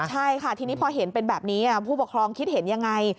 ใช่ค่ะทีนี้พอเห็นเป็นแบบนี้ผู้ปกครองคิดเห็นยังไง